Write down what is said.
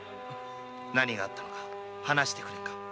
何があったのか話してくれ。